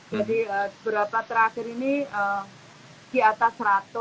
jadi berapa terakhir ini di atas seratus